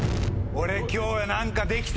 俺今日何かできた。